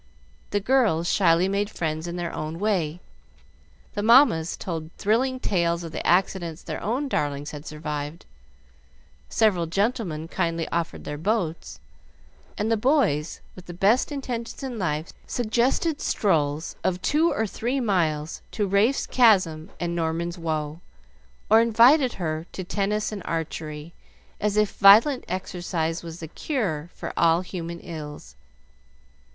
The girls shyly made friends in their own way, the mammas told thrilling tales of the accidents their darlings had survived, several gentlemen kindly offered their boats, and the boys, with the best intentions in life, suggested strolls of two or three miles to Rafe's Chasm and Norman's Woe, or invited her to tennis and archery, as if violent exercise was the cure for all human ills.